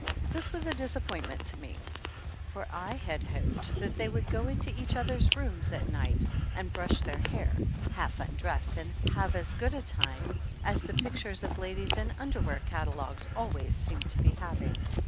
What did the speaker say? This was a disappointment to me, for I had hoped they would go into each other's rooms at night and brush their hair, half un dressed, and have as good a time as the pictures 11 THE ANNALS OF ANN of ladies in underwear catalogues always seem to be having.